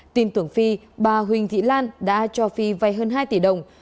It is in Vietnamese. tin tưởng phi bà huỳnh thị lan đã cho phi vay hơn hai tỷ đồng